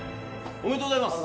ありがとうございます。